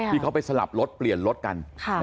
ที่เขาไปสลับรถเปลี่ยนรถกัน